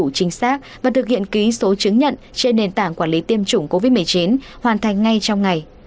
chính xác và thực hiện ký số chứng nhận trên nền tảng quản lý tiêm chủng covid một mươi chín hoàn thành ngay trong ngày